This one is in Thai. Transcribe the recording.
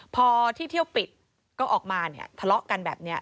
พอที่เที่ยวปิดก็ออกมาเนี่ยถล๊อกกันแบบเนี่ย